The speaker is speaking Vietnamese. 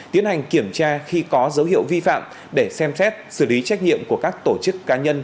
tiến hành kiểm tra khi có dấu hiệu vi phạm để xem xét xử lý trách nhiệm của các tổ chức cá nhân